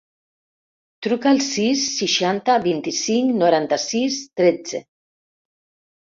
Truca al sis, seixanta, vint-i-cinc, noranta-sis, tretze.